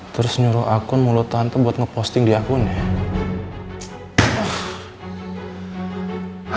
terus nyuruh akun mulut tante buat ngeposting di akunnya